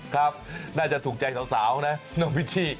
ครับน่าจะถูกใจสาวนะน้องพิชชี่